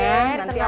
oke ditenangin ya